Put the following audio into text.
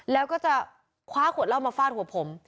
แล้วก็จะคว้าขวดเหล้ามาฟาดหัวผม